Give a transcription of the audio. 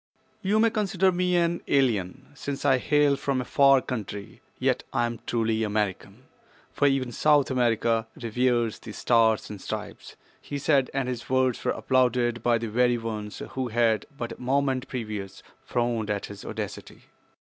"You may consider me an alien, since I hail from a far country, yet I am truly American—for even South America reveres the Stars and Stripes," he said, and his words were applauded by the very ones who had but a moment previous frowned at his audacity.